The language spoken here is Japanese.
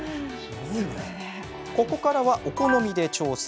ここからは、お好みで調整。